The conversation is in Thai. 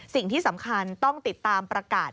สิ่งที่สำคัญต้องติดตามประกาศ